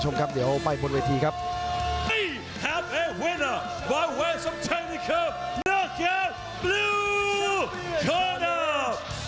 แม้กับนักแห่งแบลูโคลนัด